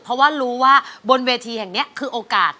เพราะว่ารู้ว่าบนเวทีแห่งนี้คือโอกาส